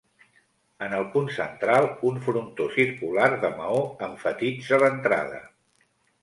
En el punt central un frontó circular de maó emfatitza l'entrada.